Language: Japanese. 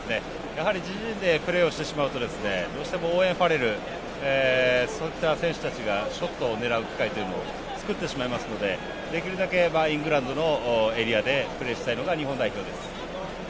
やはり自陣でプレーしてしまうとどうしてもオーウェン・ファレルそういった選手たちがショットを狙う機会を作ってしまいますのでできるだけイングランドエリアでプレーしたいのが日本代表です。